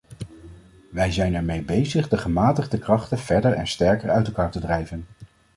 Wij zijn ermee bezig de gematigde krachten verder en sterker uit elkaar te drijven.